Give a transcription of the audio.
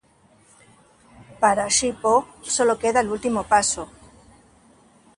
Para Shi Po sólo queda el último paso.